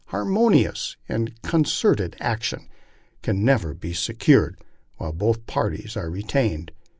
Harmonious and concerted action can never be secured while both parties are retained.